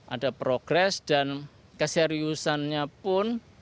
ada progres dan keseriusannya pun